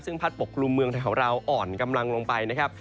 ซึ่งพัดปกกลุ่มเมืองไทยของเราอ่อนกำลังลงไปนะครับ